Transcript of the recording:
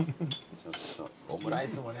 オムライスもね